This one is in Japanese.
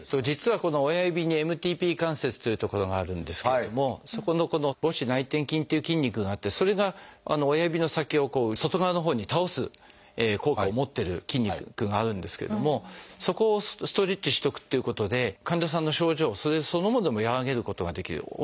実はこの親指にＭＴＰ関節という所があるんですけれどもそこの母趾内転筋っていう筋肉があってそれが親指の先を外側のほうに倒す効果を持ってる筋肉があるんですけれどもそこをストレッチしとくっていうことで患者さんの症状それそのものも和らげることができる。